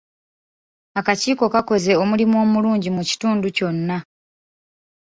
Akakiiko kaakoze omulimu omulungi mu kitundu kyonna